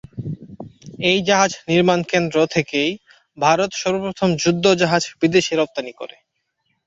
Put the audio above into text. এই জাহাজ নির্মাণ কেন্দ্র থেকেই ভারত সর্বপ্রথম যুদ্ধ জাহাজ বিদেশে রপ্তানি করে।